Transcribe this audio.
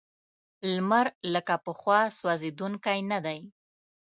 لمر لکه پخوا سوځونکی نه دی.